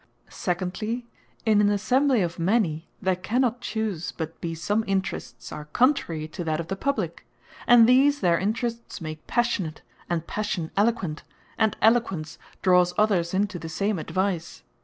Secondly, in an Assembly of many, there cannot choose but be some whose interests are contrary to that of the Publique; and these their Interests make passionate, and Passion eloquent, and Eloquence drawes others into the same advice.